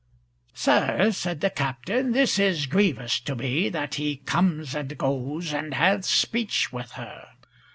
"Sir," said the Captain, "this is grievous to me that he comes and goes and hath speech with her.